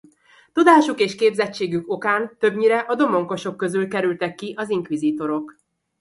Tudásuk és képzettségük okán többnyire a domonkosok közül kerültek ki az inkvizítorok.